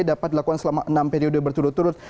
dapat dilakukan selama enam periode berturut turut